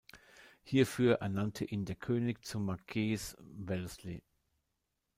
Hierfür ernannte ihn der König zum Marquess Wellesley.